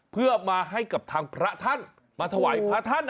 เพื่อมาให้กับทางพระท่านมาถวายพระท่าน